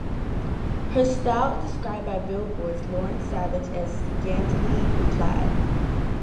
Her style is described by "Billboard"s Lauren Savage as scantily clad.